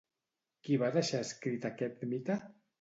Qui va deixar escrit aquest mite?